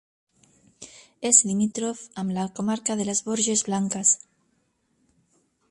És limítrof amb la comarca de Les Borges Blanques.